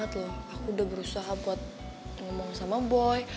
aku udah berusaha banget loh aku udah berusaha buat ngomong sama boy